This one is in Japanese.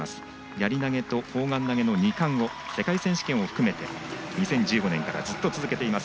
やり投げと砲丸投げの２冠を世界選手権を含めて２０１５年からずっと続けています。